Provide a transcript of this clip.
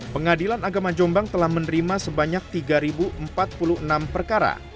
pengadilan agama jombang telah menerima sebanyak tiga empat puluh enam perkara